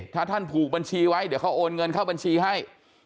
ถ้าท่านผูกบัญชีไว้เดี๋ยวเขาโอนเงินเข้าบัญชีให้